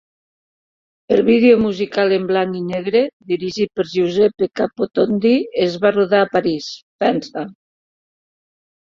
El vídeo musical en blanc i negre, dirigit per Giuseppe Capotondi, es va rodar a París, França.